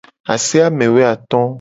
Ase amewoato.